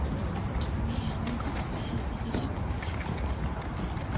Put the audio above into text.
Tumia Unga wa viazi lishe kupikia keki